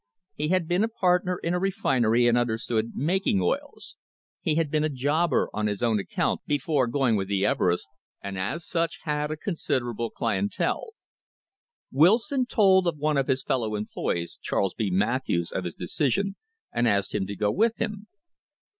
He had been a partner in a refinery and under stood making oils. He had been a jobber on his own account before going with the Everests, and as such had had a con siderable clientele. Wilson told one of his fellow employees, Charles B. Matthews, of his decision, and asked him to go with him.